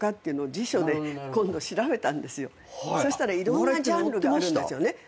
そしたらいろんなジャンルがあるんですよね。